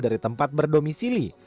dari tempat berdomisili